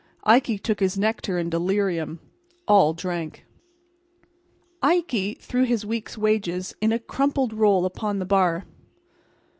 Ikey took his nectar in delirium. All drank. Ikey threw his week's wages in a crumpled roll upon the bar.